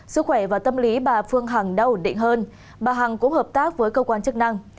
sức khỏe và tâm lý bà phương hằng đã ổn định hơn bà hằng cũng hợp tác với cơ quan chức năng